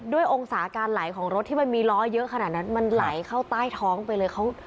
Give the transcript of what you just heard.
องศาการไหลของรถที่มันมีล้อเยอะขนาดนั้นมันไหลเข้าใต้ท้องไปเลย